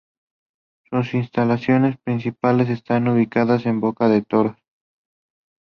Sus instalaciones principales está ubicadas en Bocas del Toro.